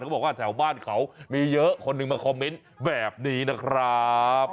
เขาบอกว่าแถวบ้านเขามีเยอะคนหนึ่งมาคอมเมนต์แบบนี้นะครับ